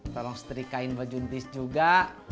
tolong seterikain bapak juntis juga